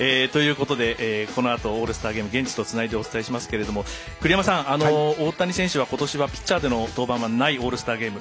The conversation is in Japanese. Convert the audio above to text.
このあとオールスターゲーム現地とつないでお伝えしますが栗山さん、大谷選手は、ことしはピッチャーでの登板はないオールスターゲーム。